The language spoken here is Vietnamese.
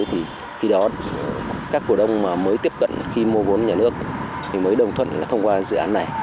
khi đó các cổ đông mới tiếp cận khi mua vốn nhà nước mới đồng thuận thông qua dự án này